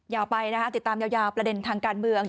ยาวไปนะคะติดตามยาวประเด็นทางการเมือง